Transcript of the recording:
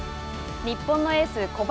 日本のエース・小林